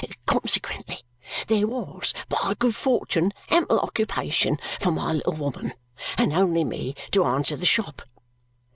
Consequently there was by good fortune ample occupation for my little woman, and only me to answer the shop.